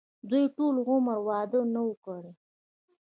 دوي ټول عمر وادۀ نۀ وو کړے